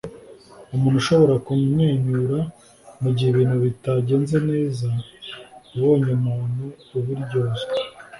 umuntu ushobora kumwenyura mugihe ibintu bitagenze neza yabonye umuntu ubiryozwa